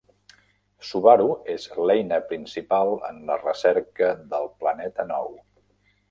Subaru és l'eina principal en la recerca del Planeta Nou.